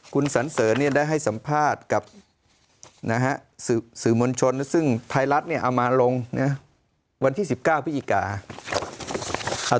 คุณสันเสริญได้ให้สัมภาษณ์กับสื่อมวลชนซึ่งไทยรัฐเนี่ยเอามาลงวันที่๑๙พฤศจิกา